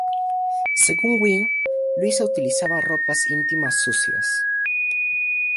Según Gwynne, Luisa utilizaba ropas íntimas sucias.